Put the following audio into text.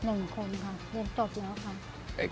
เรียนจบอยู่แล้วครับ